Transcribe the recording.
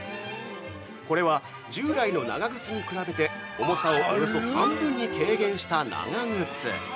◆これは、従来の長靴に比べて重さをおよそ半分に軽減した長靴。